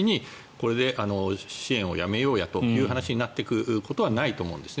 これで支援をやめようという話になってくることはないと思うんです。